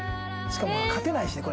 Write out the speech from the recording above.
しかも勝てないしね